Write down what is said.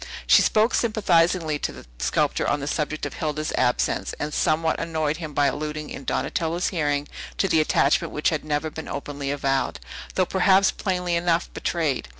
She spoke sympathizingly to the sculptor on the subject of Hilda's absence, and somewhat annoyed him by alluding in Donatello's hearing to an attachment which had never been openly avowed, though perhaps plainly enough betrayed.